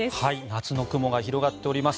夏の雲が広がっております。